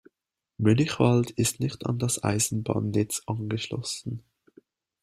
Mönichwald ist nicht an das Eisenbahnnetz angeschlossen.